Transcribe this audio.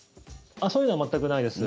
そういうのは全くないです。